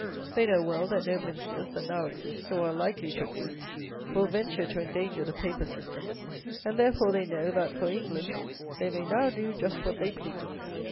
They know well that no Ministers that now exist, or are likely to exist, will venture to endanger the paper system; and therefore they know that (for England) they may now do just what they please.